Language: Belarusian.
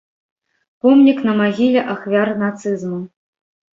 Помнік на магіле ахвяр нацызму.